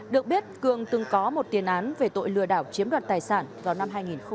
được biết cường từng có một tiền án về tội lừa đảo chiếm đoạt tài sản vào năm hai nghìn một mươi